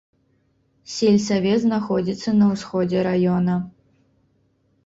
Сельсавет знаходзіцца на ўсходзе раёна.